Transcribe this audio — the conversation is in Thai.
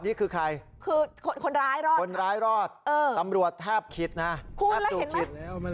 นี่คือใครคนร้ายรอดตำรวจถับคิดนะถับสูงขึ้นคือคนร้ายรอด